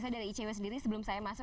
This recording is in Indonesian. saya dari icw sendiri sebelum saya masuk